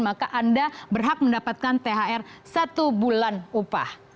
maka anda berhak mendapatkan thr satu bulan upah